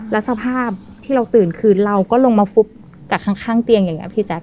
แล้วสภาพที่เราตื่นคือเราก็ลงมาฟุบจากข้างเตียงอย่างนี้พี่แจ๊